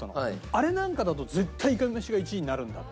あれなんかだと絶対いかめしが１位になるんだって。